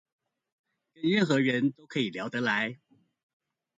跟任何人都可以聊得來